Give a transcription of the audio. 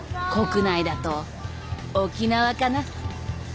国内だと沖縄かな。